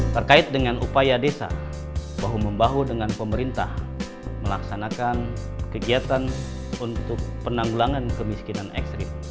terkait dengan upaya desa bahu membahu dengan pemerintah melaksanakan kegiatan untuk penanggulangan kemiskinan ekstrim